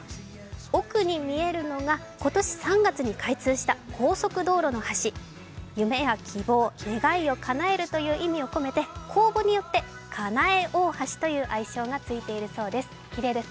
奥に見えるのが今年３月に開通した高速道路の橋夢や希望、願いをかなるえという意味を込めて、公募によって「かなえおおはし」という愛称がついているそうです。